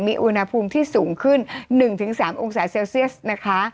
มีอุณหภูมิที่สูงขึ้น๑๓องศาเซลเซียสนะคะ